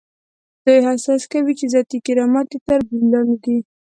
دوی احساس کوي چې ذاتي کرامت یې تر برید لاندې دی.